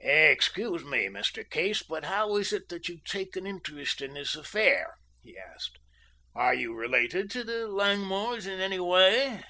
"Excuse me, Mr. Case, but how is it that you take an interest in this affair?" he asked. "Are you related to the Langmores in any way?"